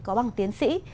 có bằng tiến sĩ